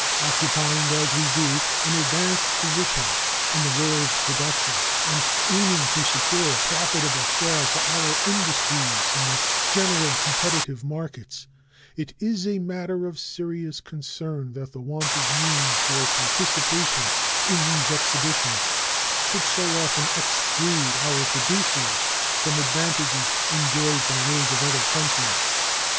Occupying, as we do, an advanced position in the world's production, and aiming to secure a profitable share for our industries in the general competitive markets, it is a matter of serious concern that the want of means for participation in these exhibitions should so often exclude our producers from advantages enjoyed by those of other countries.